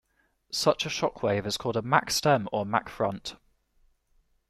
Such a shock wave is called a Mach stem or Mach front.